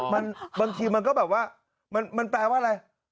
บางทีมันก็แบบว่ามันแปลว่าอะไร